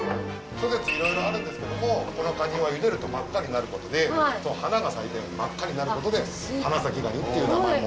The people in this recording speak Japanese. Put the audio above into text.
諸説いろいろあるんですけどもこのかには茹でると真っ赤になることで花が咲いたように真っ赤になることで花咲がにっていう名前も。